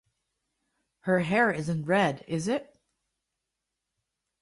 Her hair isn’t red, is it?